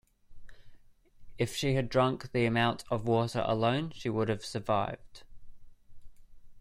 If she had drunk the amount of water alone she would have survived.